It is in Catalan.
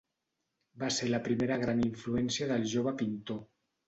Va ser la primera gran influència del jove pintor.